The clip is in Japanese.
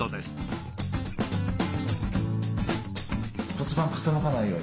骨盤傾かないように。